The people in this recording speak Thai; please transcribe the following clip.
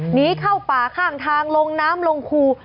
หนีเข้าป่าข้างทางลงน้ำลงคู